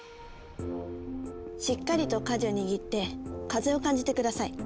しっかりと舵を握って風を感じて下さい。